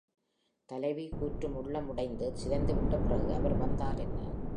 தலைவி கூற்று உள்ளம் உடைந்து சிதைந்துவிட்ட பிறகு அவர் வந்தால் என்ன?